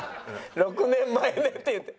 「６年前ね」って言って。